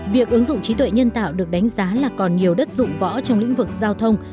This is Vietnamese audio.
việc ứng dụng trí tuệ nhân tạo được đánh giá là còn nhiều đất dụng võ trong lĩnh vực giao thông